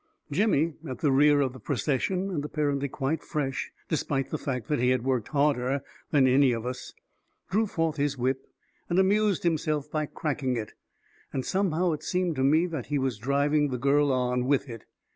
Jimmy, at the rear of the procession, and ap parently quite fresh despite the fact that he had worked harder than any of us, drew forth his whip and amused himself by cracking it; and somehow it seemed to me that he was driving the girl on with it.